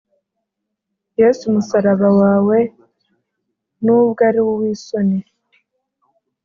Yes' umusaraba wawe, Nubw' ar' uw'isoni,